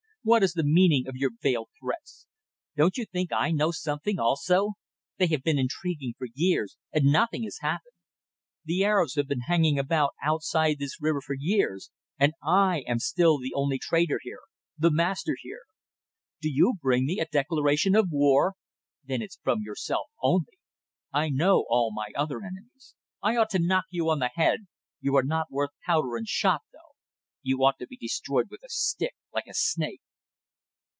"What is the meaning of your veiled threats? Don't you think I know something also? They have been intriguing for years and nothing has happened. The Arabs have been hanging about outside this river for years and I am still the only trader here; the master here. Do you bring me a declaration of war? Then it's from yourself only. I know all my other enemies. I ought to knock you on the head. You are not worth powder and shot though. You ought to be destroyed with a stick like a snake."